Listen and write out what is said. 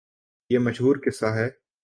یہ مشہورقصہ ہے۔